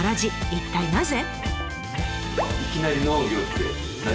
一体なぜ？